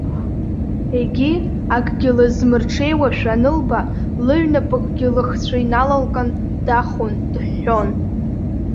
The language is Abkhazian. Егьи, акгьы лызмырҽеиуашәа анылба, лыҩнапыкгьы лыхцәы иналалкын, дахон, дыҳәҳәон.